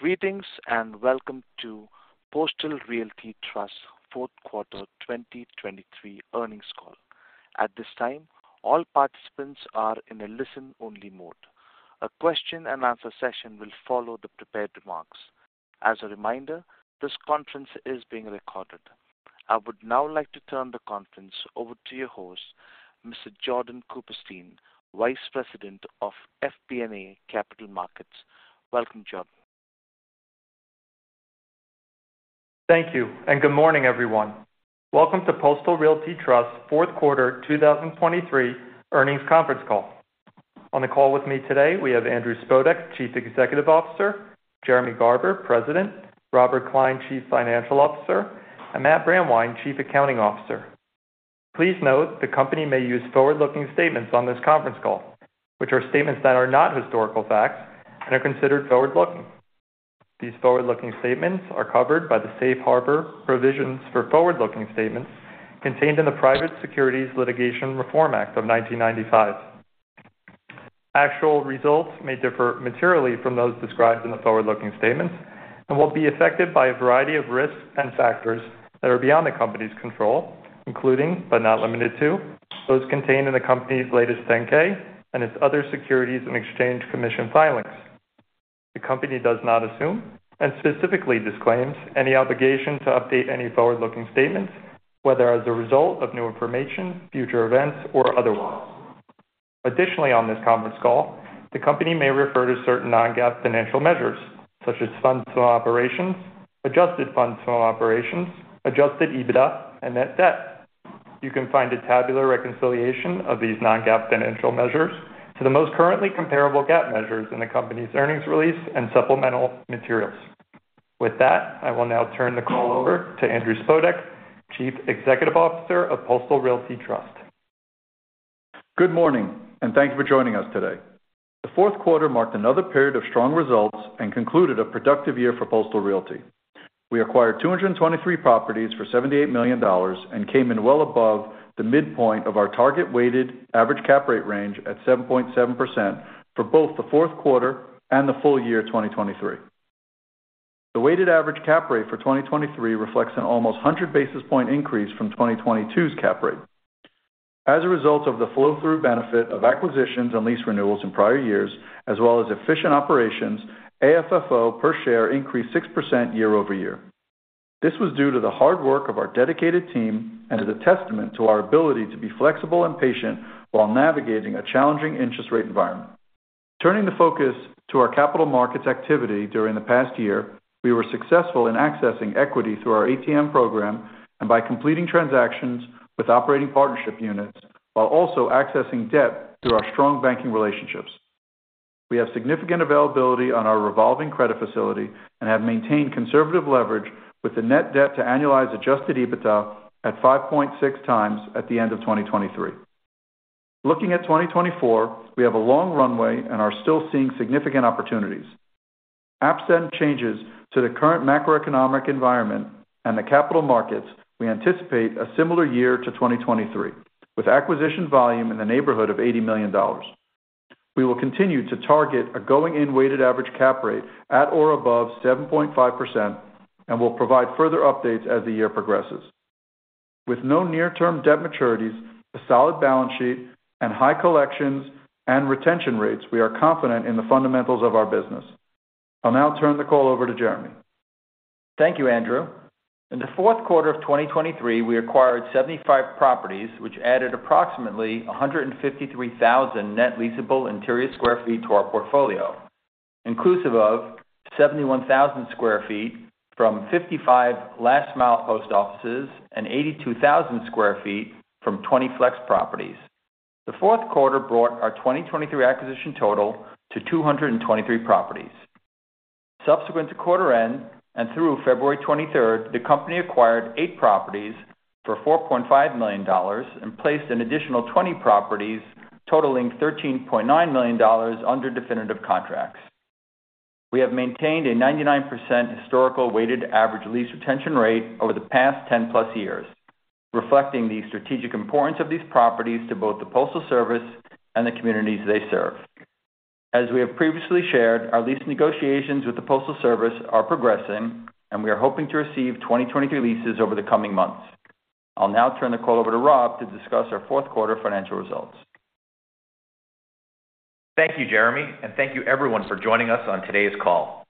Greetings and welcome to Postal Realty Trust 4th Quarter 2023 earnings call. At this time, all participants are in a listen-only mode. A question and answer session will follow the prepared remarks. As a reminder, this conference is being recorded. I would now like to turn the conference over to your host, Mr. Jordan Cooperstein, Vice President of FP&A Capital Markets. Welcome, Jordan. Thank you, and good morning, everyone. Welcome to Postal Realty Trust 4th Quarter 2023 earnings conference call. On the call with me today, we have Andrew Spodek, Chief Executive Officer; Jeremy Garber, President; Robert Klein, Chief Financial Officer; and Matt Brandwein, Chief Accounting Officer. Please note, the company may use forward-looking statements on this conference call, which are statements that are not historical facts and are considered forward-looking. These forward-looking statements are covered by the Safe Harbor provisions for forward-looking statements contained in the Private Securities Litigation Reform Act of 1995. Actual results may differ materially from those described in the forward-looking statements and will be affected by a variety of risks and factors that are beyond the company's control, including, but not limited to, those contained in the company's latest 10-K and its other Securities and Exchange Commission filings. The company does not assume and specifically disclaims any obligation to update any forward-looking statements, whether as a result of new information, future events, or otherwise. Additionally, on this conference call, the company may refer to certain non-GAAP financial measures, such adjusted funds from operations, Adjusted EBITDA, and net debt. You can find a tabular reconciliation of these non-GAAP financial measures to the most directly comparable GAAP measures in the company's earnings release and supplemental materials. With that, I will now turn the call over to Andrew Spodek, Chief Executive Officer of Postal Realty Trust. Good morning, and thank you for joining us today. The 4th quarter marked another period of strong results and concluded a productive year for Postal Realty. We acquired 223 properties for $78 million and came in well above the midpoint of our target weighted average cap rate range at 7.7% for both the 4th quarter and the full year 2023. The weighted average cap rate for 2023 reflects an almost 100 basis point increase from 2022's cap rate. As a result of the flow-through benefit of acquisitions and lease renewals in prior years, as well as efficient operations, AFFO per share increased 6% year-over-year. This was due to the hard work of our dedicated team and as a testament to our ability to be flexible and patient while navigating a challenging interest rate environment. Turning the focus to our capital markets activity during the past year, we were successful in accessing equity through our ATM program and by completing transactions with operating partnership units while also accessing debt through our strong banking relationships. We have significant availability on our revolving credit facility and have maintained conservative leverage with a Net Debt to Annualized Adjusted EBITDA at 5.6x at the end of 2023. Looking at 2024, we have a long runway and are still seeing significant opportunities. Absent changes to the current macroeconomic environment and the capital markets, we anticipate a similar year to 2023 with acquisition volume in the neighborhood of $80 million. We will continue to target a going-in weighted average Cap Rate at or above 7.5% and will provide further updates as the year progresses. With no near-term debt maturities, a solid balance sheet, and high collections and retention rates, we are confident in the fundamentals of our business. I'll now turn the call over to Jeremy. Thank you, Andrew. In the 4th quarter of 2023, we acquired 75 properties, which added approximately 153,000 net leasable interior sq ft to our portfolio, inclusive of 71,000 sq ft from 55 last mile post offices and 82,000 sq ft from 20 flex properties. The 4th quarter brought our 2023 acquisition total to 223 properties. Subsequent to quarter end and through February 23rd, the company acquired eight properties for $4.5 million and placed an additional 20 properties, totaling $13.9 million under definitive contracts. We have maintained a 99% historical weighted average lease retention rate over the past 10-plus years, reflecting the strategic importance of these properties to both the Postal Service and the communities they serve. As we have previously shared, our lease negotiations with the Postal Service are progressing, and we are hoping to receive 2023 leases over the coming months. I'll now turn the call over to Rob to discuss our 4th quarter financial results. Thank you, Jeremy, and thank you everyone for joining us on today's call.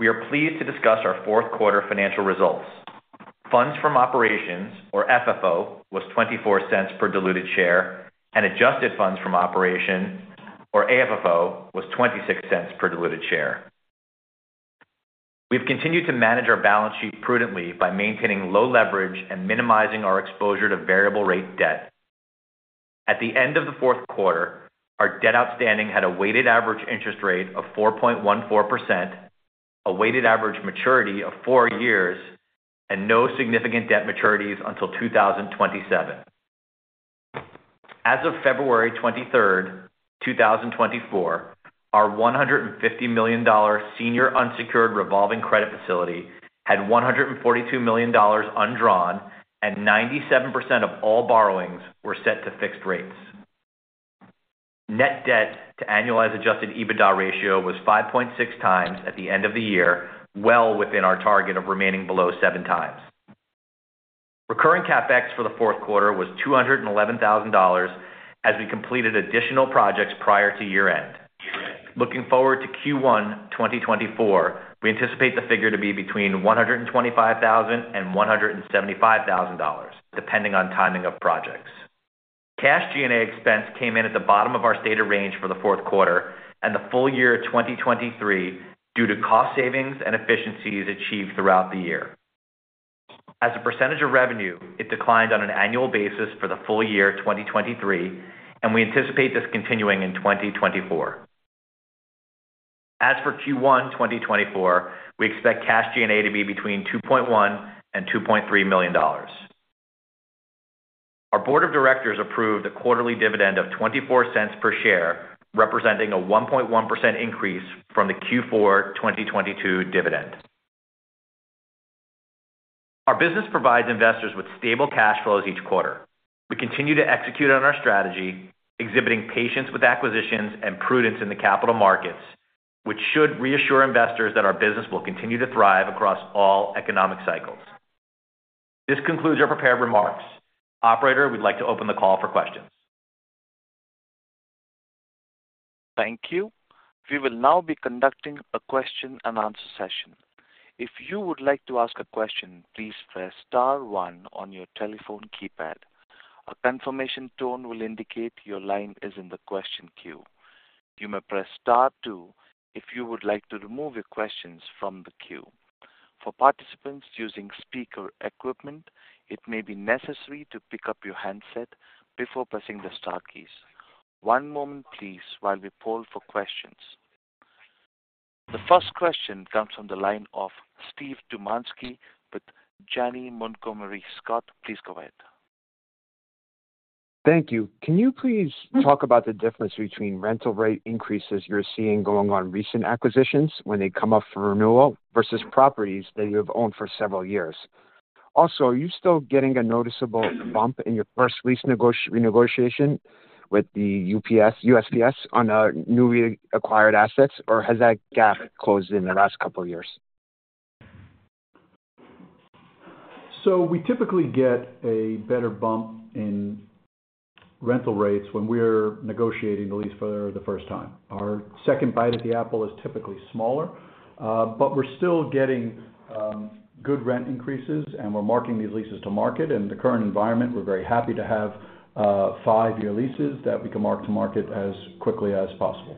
We are pleased to discuss our 4th quarter financial results. Funds from Operations, or FFO, was $0.24 per diluted share. Adjusted Funds from Operations, or AFFO, was $0.26 per diluted share. We've continued to manage our balance sheet prudently by maintaining low leverage and minimizing our exposure to variable-rate debt. At the end of the 4th quarter, our debt outstanding had a weighted average interest rate of 4.14%, a weighted average maturity of four years, and no significant debt maturities until 2027. As of February 23rd, 2024, our $150 million senior unsecured revolving credit facility had $142 million undrawn, and 97% of all borrowings were set to fixed rates. Net debt to annualized Adjusted EBITDA ratio was 5.6x at the end of the year, well within our target of remaining below 7x. Recurring CapEx for the 4th quarter was $211,000 as we completed additional projects prior to year-end. Looking forward to Q1 2024, we anticipate the figure to be between $125,000 to $175,000, depending on timing of projects. Cash G&A expense came in at the bottom of our stated range for the 4th quarter and the full year 2023 due to cost savings and efficiencies achieved throughout the year. As a percentage of revenue, it declined on an annual basis for the full year 2023, and we anticipate this continuing in 2024. As for Q1 2024, we expect cash G&A to be between $2.1 million to $2.3 million. Our board of directors approved a quarterly dividend of $0.24 per share, representing a 1.1% increase from the Q4 2022 dividend. Our business provides investors with stable cash flows each quarter. We continue to execute on our strategy, exhibiting patience with acquisitions and prudence in the capital markets, which should reassure investors that our business will continue to thrive across all economic cycles. This concludes our prepared remarks. Operator, we'd like to open the call for questions. Thank you. We will now be conducting a question-and-answer session. If you would like to ask a question, please press star one on your telephone keypad. A confirmation tone will indicate your line is in the question queue. You may press star two if you would like to remove your questions from the queue. For participants using speaker equipment, it may be necessary to pick up your handset before pressing the star keys. One moment, please, while we poll for questions. The first question comes from the line of Steve Dumanski with Janney Montgomery Scott. Please go ahead. Thank you. Can you please talk about the difference between rental rate increases you're seeing going on recent acquisitions when they come up for renewal versus properties that you have owned for several years? Also, are you still getting a noticeable bump in your first lease renegotiation with the USPS on newly acquired assets, or has that gap closed in the last couple of years? So we typically get a better bump in rental rates when we're negotiating the lease for the first time. Our second bite at the apple is typically smaller, but we're still getting good rent increases, and we're marking these leases to market. In the current environment, we're very happy to have five-year leases that we can mark to market as quickly as possible.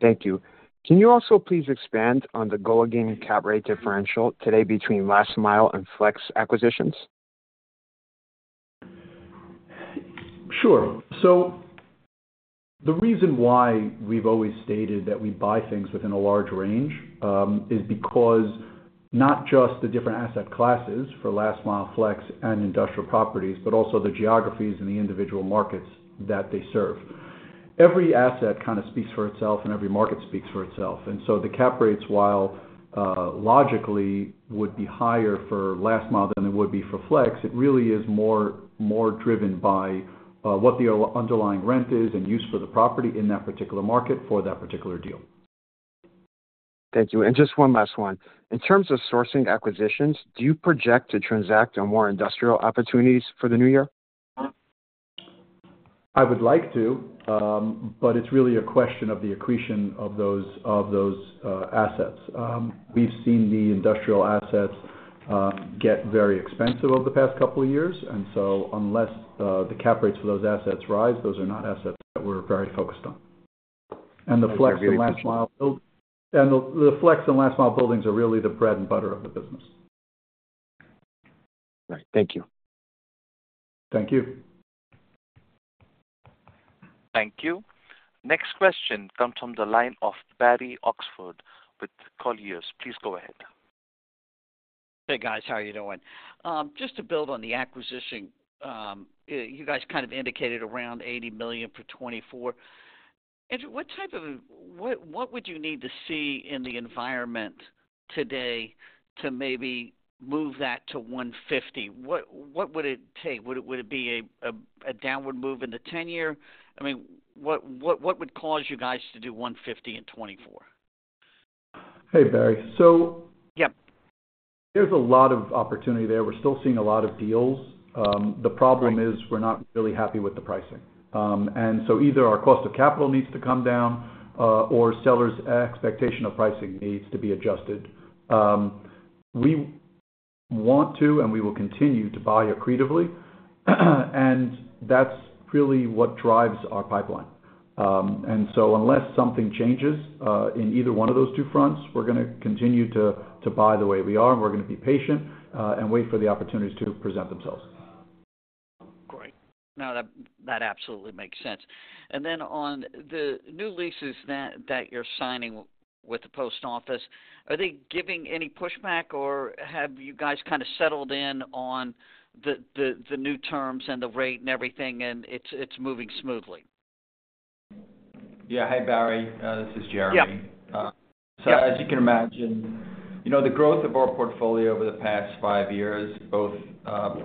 Thank you. Can you also please expand on the going-in cap rate differential today between last mile and flex acquisitions? Sure. So the reason why we've always stated that we buy things within a large range is because not just the different asset classes for last mile, flex, and industrial properties, but also the geographies and the individual markets that they serve. Every asset kind of speaks for itself, and every market speaks for itself. And so the cap rates, while logically would be higher for last mile than they would be for flex, it really is more driven by what the underlying rent is and use for the property in that particular market for that particular deal. Thank you. Just one last one. In terms of sourcing acquisitions, do you project to transact on more industrial opportunities for the new year? I would like to, but it's really a question of the accretion of those assets. We've seen the industrial assets get very expensive over the past couple of years, and so unless the cap rates for those assets rise, those are not assets that we're very focused on. And the flex and last mile buildings and the flex and last mile buildings are really the bread and butter of the business. Right. Thank you. Thank you. Thank you. Next question comes from the line of Barry Oxford with Colliers. Please go ahead. Hey, guys. How are you doing? Just to build on the acquisition, you guys kind of indicated around $80 million for 2024. Andrew, what type of what would you need to see in the environment today to maybe move that to $150 million? What would it take? Would it be a downward move in the 10-year? I mean, what would cause you guys to do $150 million in 2024? Hey, Barry. There's a lot of opportunity there. We're still seeing a lot of deals. The problem is we're not really happy with the pricing. Either our cost of capital needs to come down or sellers' expectation of pricing needs to be adjusted. We want to, and we will continue to buy accretively, and that's really what drives our pipeline. Unless something changes in either one of those two fronts, we're going to continue to buy the way we are, and we're going to be patient and wait for the opportunities to present themselves. Great. No, that absolutely makes sense. And then on the new leases that you're signing with the post office, are they giving any pushback, or have you guys kind of settled in on the new terms and the rate and everything, and it's moving smoothly? Yeah. Hey, Barry. This is Jeremy. So as you can imagine, the growth of our portfolio over the past five years, both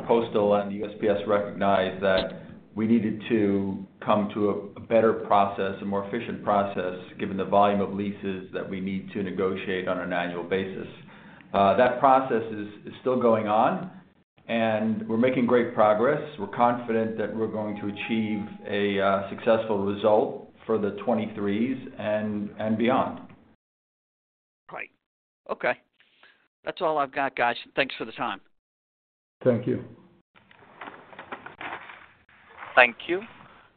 Postal and USPS recognize that we needed to come to a better process, a more efficient process, given the volume of leases that we need to negotiate on an annual basis. That process is still going on, and we're making great progress. We're confident that we're going to achieve a successful result for the 2023s and beyond. Great. Okay. That's all I've got, guys. Thanks for the time. Thank you. Thank you.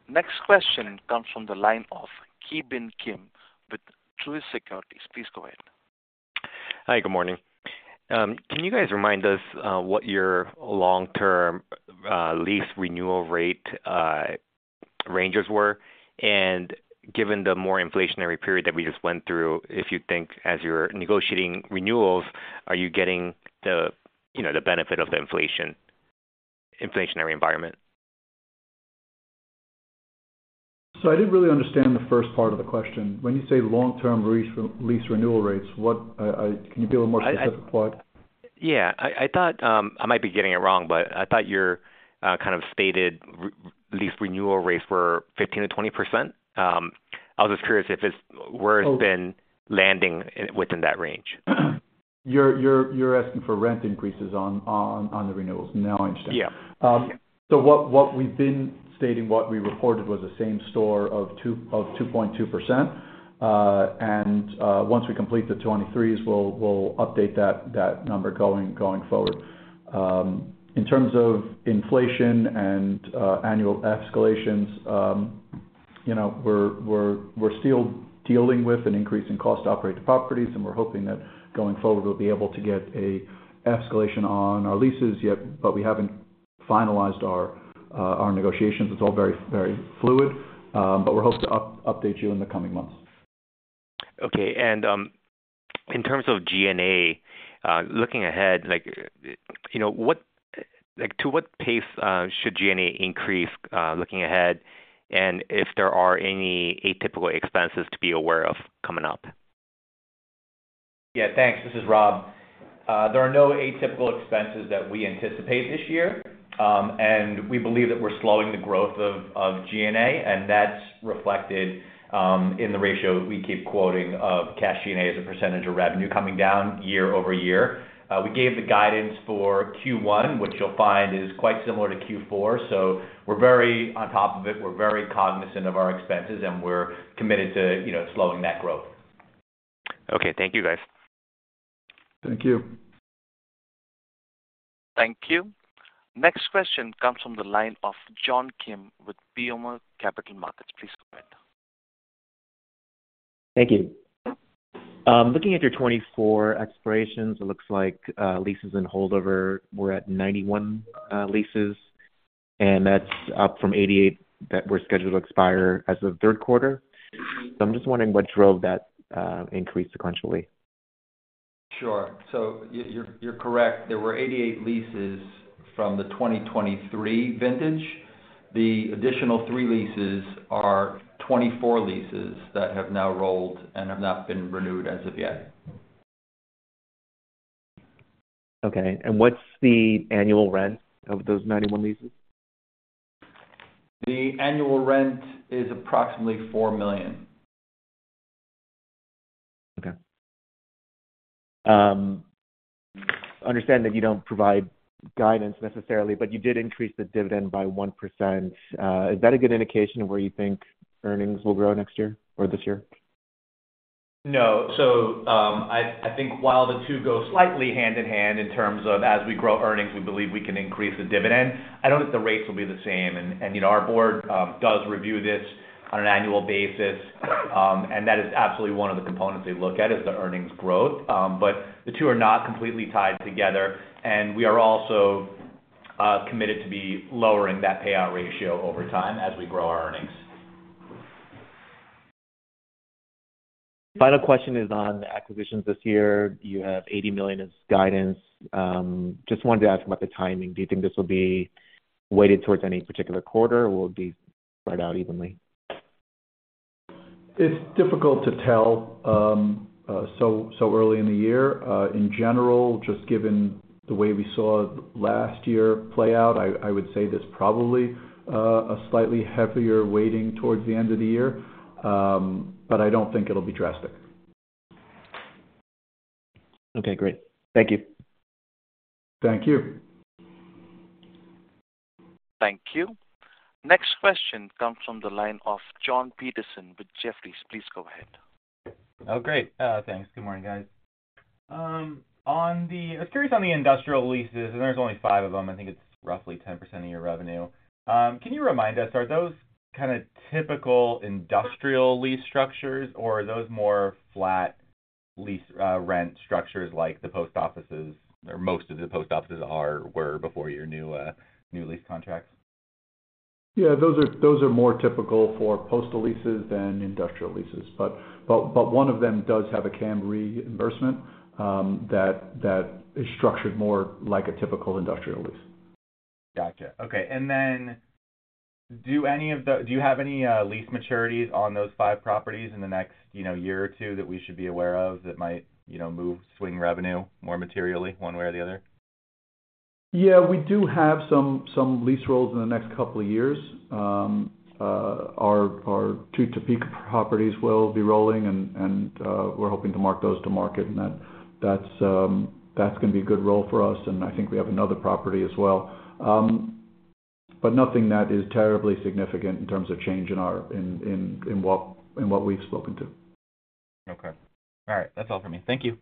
Next question comes from the line of Ki Bin Kim with Truist Securities. Please go ahead. Hi. Good morning. Can you guys remind us what your long-term lease renewal rate ranges were? And given the more inflationary period that we just went through, if you think as you're negotiating renewals, are you getting the benefit of the inflationary environment? So I didn't really understand the first part of the question. When you say long-term lease renewal rates, can you be a little more specific? Yeah. I might be getting it wrong, but I thought you kind of stated lease renewal rates were 15% to 20%. I was just curious where it's been landing within that range? You're asking for rent increases on the renewals. Now I understand. So what we've been stating, what we reported, was a Same Store of 2.2%, and once we complete the 2023s, we'll update that number going forward. In terms of inflation and annual escalations, we're still dealing with an increase in cost to operate the properties, and we're hoping that going forward we'll be able to get an escalation on our leases, but we haven't finalized our negotiations. It's all very, very fluid, but we're hoping to update you in the coming months. Okay. And in terms of G&A, looking ahead, to what pace should G&A increase looking ahead, and if there are any atypical expenses to be aware of coming up? Yeah. Thanks. This is Rob. There are no atypical expenses that we anticipate this year, and we believe that we're slowing the growth of G&A, and that's reflected in the ratio we keep quoting of cash G&A as a percentage of revenue coming down year-over-year. We gave the guidance for Q1, which you'll find is quite similar to Q4, so we're very on top of it. We're very cognizant of our expenses, and we're committed to slowing that growth. Okay. Thank you, guys. Thank you. Thank you. Next question comes from the line of John Kim with BMO Capital Markets. Please go ahead. Thank you. Looking at your 2024 expirations, it looks like leases in holdover, we're at 91 leases, and that's up from 88 that were scheduled to expire as of third quarter. So I'm just wondering what drove that increase sequentially. Sure. So you're correct. There were 88 leases from the 2023 vintage. The additional 3 leases are 2024 leases that have now rolled and have not been renewed as of yet. Okay. And what's the annual rent of those 91 leases? The annual rent is approximately $4 million. Okay. I understand that you don't provide guidance necessarily, but you did increase the dividend by 1%. Is that a good indication of where you think earnings will grow next year or this year? No. So I think while the two go slightly hand in hand in terms of as we grow earnings, we believe we can increase the dividend. I don't think the rates will be the same. And our board does review this on an annual basis, and that is absolutely one of the components they look at is the earnings growth, but the two are not completely tied together. And we are also committed to be lowering that payout ratio over time as we grow our earnings. Final question is on acquisitions this year. You have $80 million as guidance. Just wanted to ask about the timing. Do you think this will be weighted towards any particular quarter, or will it be spread out evenly? It's difficult to tell so early in the year. In general, just given the way we saw last year play out, I would say there's probably a slightly heavier weighting towards the end of the year, but I don't think it'll be drastic. Okay. Great. Thank you. Thank you. Thank you. Next question comes from the line of Jon Petersen with Jefferies. Please go ahead. Oh, great. Thanks. Good morning, guys. I was curious on the industrial leases, and there's only five of them. I think it's roughly 10% of your revenue. Can you remind us, are those kind of typical industrial lease structures, or are those more flat lease rent structures like the post offices or most of the post offices were before your new lease contracts? Yeah. Those are more typical for postal leases than industrial leases, but one of them does have a CAM reimbursement that is structured more like a typical industrial lease. Gotcha. Okay. And then do you have any lease maturities on those five properties in the next year or two that we should be aware of that might swing revenue more materially one way or the other? Yeah. We do have some lease rolls in the next couple of years. Our two Topeka properties will be rolling, and we're hoping to mark those to market, and that's going to be a good roll for us. I think we have another property as well, but nothing that is terribly significant in terms of change in what we've spoken to. Okay. All right. That's all from me. Thank you.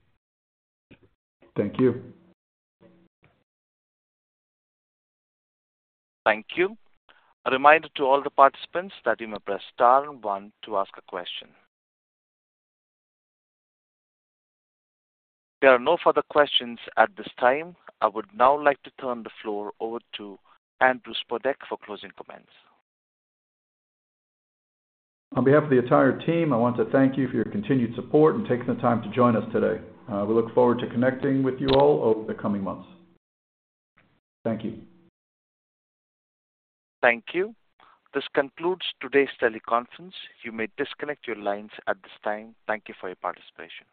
Thank you. Thank you. A reminder to all the participants that you may press star and one to ask a question. There are no further questions at this time. I would now like to turn the floor over to Andrew Spodek for closing comments. On behalf of the entire team, I want to thank you for your continued support and taking the time to join us today. We look forward to connecting with you all over the coming months. Thank you. Thank you. This concludes today's teleconference. You may disconnect your lines at this time. Thank you for your participation.